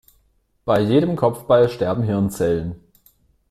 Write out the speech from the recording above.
Bei jedem Kopfball sterben Hirnzellen.